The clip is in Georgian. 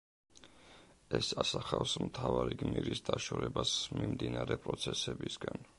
ეს ასახავს მთავარი გმირის დაშორებას მიმდინარე პროცესებისგან.